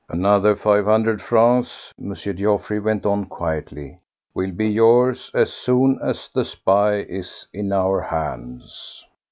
"Another five hundred francs," M. Geoffroy went on quietly, "will be yours as soon as the spy is in our hands."